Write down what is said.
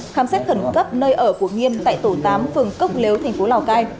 khám xét thẩn cấp nơi ở của nghiêm tại tổ tám phường cốc lếu tp lào cai